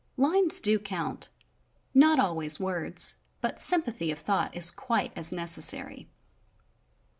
Lines do count, not always words, but sym pathy of thought is quite as necessary.